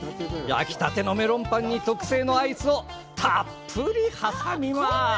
焼きたてのメロンパンに特製のアイスをたっぷり挟みます。